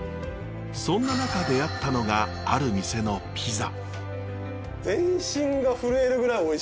そんな中出会ったのがある店のピザ。